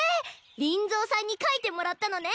リンゾーさんに描いてもらったのね。